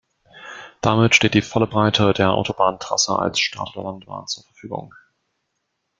Damit steht die volle Breite der Autobahntrasse als Start- oder Landebahn zur Verfügung.